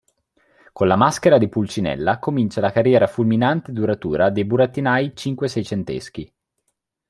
Con la maschera di Pulcinella comincia la carriera fulminante e duratura dei burattinai cinque-seicenteschi.